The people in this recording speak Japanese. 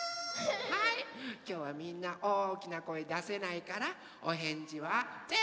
はいきょうはみんなおおきなこえだせないからおへんじはぜんぶ